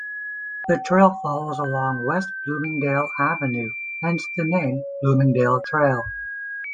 The trail follows along West Bloomingdale avenue, hence the name "Bloomingdale Trail".